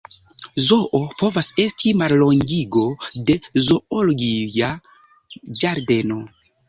Zoo povas esti mallongigo de "zoologia ĝardeno".